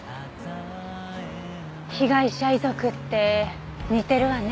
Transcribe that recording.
被害者遺族って似てるわね。